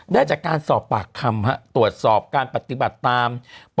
ได้จากการสอบปากคำตรวจสอบการปฏิบัติตาม